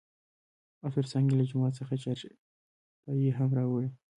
او تر څنګ يې له جومات څخه چارپايي هم راوړى .